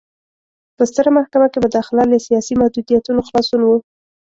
په ستره محکمه کې مداخله له سیاسي محدودیتونو خلاصون و.